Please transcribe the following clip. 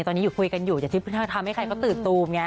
ตอนนี้คุยกันอยู่อย่าทิ้งพื้นทางทำให้ใครตื่นตูมไง